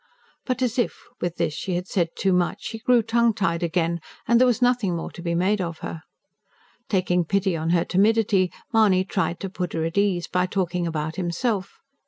But as if, with this, she had said too much, she grew tongue tied again; and there was nothing more to be made of her. Taking pity on her timidity, Mahony tried to put her at ease by talking about himself.